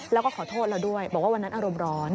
แล้วก็ขอโทษเราด้วยบอกว่าวันนั้นอารมณ์ร้อน